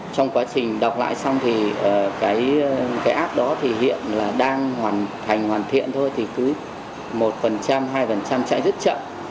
trong quá trình đọc lại xong thì cái app đó thì hiện là đang hoàn thành hoàn thiện thôi thì cứ một hai chạy rất chậm